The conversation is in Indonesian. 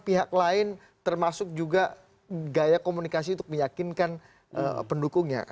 pihak lain termasuk juga gaya komunikasi untuk meyakinkan pendukungnya